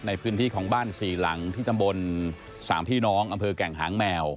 ในพื้นที่ของบ้านสี่หลังที่ตำบลสามพี่น้องอำเภอแก่งหางแมว